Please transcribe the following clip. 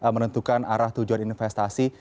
menentukan arah tujuan investasi